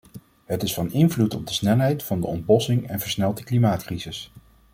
Het is van invloed op de snelheid van de ontbossing en versnelt de klimaatcrisis.